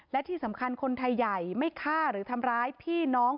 และที่สำคัญคนไทยใหญ่ไม่ฆ่าหรือทำร้ายพี่น้อง